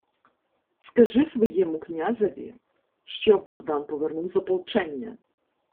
— Скажи своєму князеві, що Богдан повернув з ополчення!